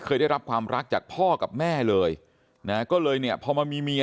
ได้รับความรักจากพ่อกับแม่เลยนะก็เลยเนี่ยพอมามีเมีย